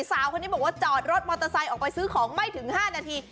สาวคนนี้บอกว่าจอดรถมอเตอร์ไซค์ออกไปซื้อของไม่ถึง๕นาที